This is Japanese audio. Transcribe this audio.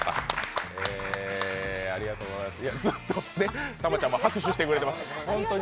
ずっと玉ちゃんも拍手してくれてます。